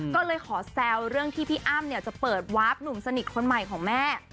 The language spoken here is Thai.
ก็เลยขอแซวเรื่องที่พี่อ้ำจะเปิดวาร์ฟหนุ่มสนิทคนใหม่ของแม่